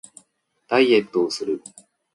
ダイエットをする